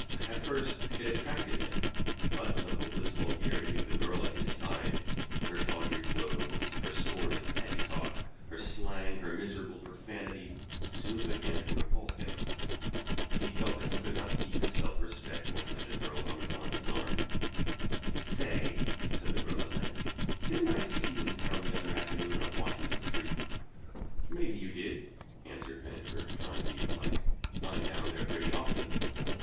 At first it attracted him, but the hopeless vulgarity of the girl at his side, her tawdry clothes, her sordid, petty talk, her slang, her miserable profanity, soon began to revolt him. He felt that he could not keep his self respect while such a girl hung upon his arm. "Say," said the girl at length, "didn't I see you in town the other afternoon on Washington Street?" "Maybe you did," answered Vandover, trying to be polite. "I'm down there pretty often."